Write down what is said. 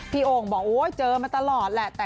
พี่โอมบอกเจอมาตลอดแหละ